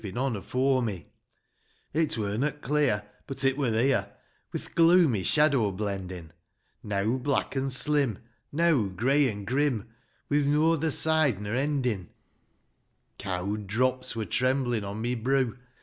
n' on afore me; It wur not clear, — but it wur theer, — Wi' th' gloomy shadow blendin , Neaw black an' slim, neaw grey an' grim, Wi' noather side nor endin'. Cowd drops wur tremblin' o' my broo.